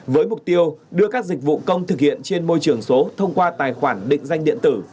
với mục tiêu đưa các dịch vụ công thực hiện trên môi trường số thông qua tài khoản định danh điện tử